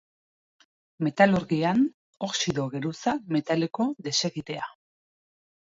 Metalurgian, oxido geruza metaliko desegitea.